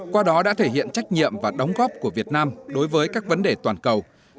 qua đó đã thể hiện trách nhiệm và đóng góp của việt nam đối với các vấn đề toàn cầu